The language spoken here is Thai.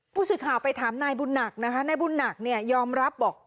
ผู้สื่อข่าวไปถามนายบุญหนักนะคะนายบุญหนักเนี่ยยอมรับบอก